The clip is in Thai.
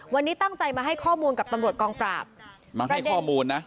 วันนี้ตั้งใจมาให้ข้อมูลกับตำรวจกองปราบมาให้ข้อมูลนะ